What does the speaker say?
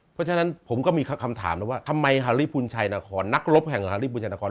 เพราะฉะนั้นผมก็มีคำถามแล้วว่าทำไมฮารี่พุนชัยนครนักรบแห่งฮาริบุญชัยนคร